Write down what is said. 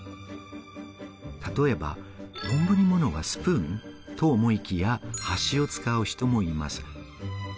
例えば、丼ものはスプーンと思いきや箸を使う人もいます。